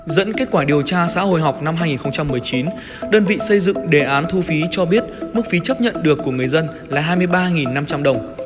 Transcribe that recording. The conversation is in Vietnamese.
dẫn kết quả điều tra xã hội học năm hai nghìn một mươi chín đơn vị xây dựng đề án thu phí cho biết mức phí chấp nhận được của người dân là hai mươi ba năm trăm linh đồng